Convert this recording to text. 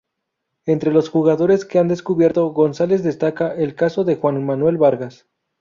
Entre los jugadores que ha "descubierto" Gonzales destaca el caso de Juan Manuel Vargas.